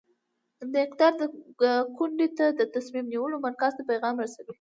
د اقدار د کونډې ته د تصمیم نیولو مرکز ته پیغام رسوي.